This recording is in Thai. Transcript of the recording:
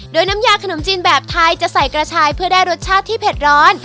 โดยน้ำยาขนมจีนแบบไทยจะใส่กระชายเพื่อได้รสชาติที่เผ็ดร้อน